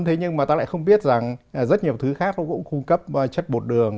thế nhưng mà ta lại không biết rằng rất nhiều thứ khác nó cũng cung cấp chất bột đường